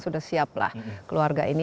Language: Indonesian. sudah siap lah keluarga ini